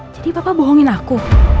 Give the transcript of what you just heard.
jadi papa bohongin aku